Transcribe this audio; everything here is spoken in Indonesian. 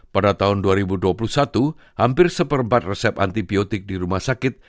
pada tahun dua ribu dua puluh satu hampir seperempat resep antibiotik di rumah sakit